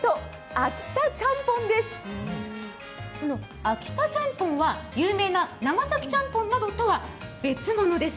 秋田チャンポンは、有名な長崎ちゃんぽんとは別物です。